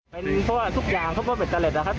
เป็นเพราะว่าทุกอย่างเพราะว่าเป็นเจร็จนะครับ